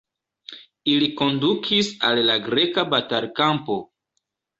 Ili kondukis al la greka batalkampo.